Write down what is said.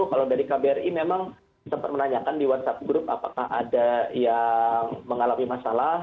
kalau dari kbri memang sempat menanyakan di whatsapp group apakah ada yang mengalami masalah